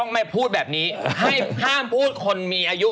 ไม่พูดแบบนี้ให้ห้ามพูดคนมีอายุ